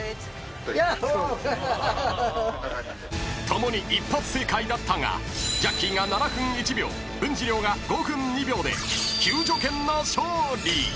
［共に一発正解だったがジャッキーが７分１秒文治郎が５分２秒で救助犬の勝利！］